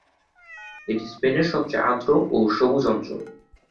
এটি স্পেনের সবচেয়ে আর্দ্র ও সবুজ অঞ্চল।